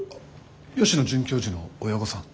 吉野准教授の親御さん？